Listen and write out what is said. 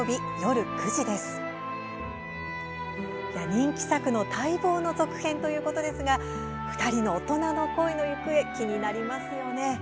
人気作の待望の続編ということですが２人の大人の恋の行方気になりますよね。